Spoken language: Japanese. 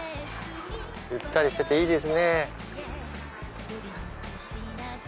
ゆったりしてていいですね。